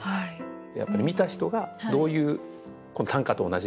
やっぱり見た人がどういう短歌と同じで。